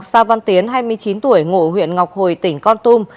sa văn tiến hai mươi chín tuổi ngộ huyện ngọc hồi tỉnh con tum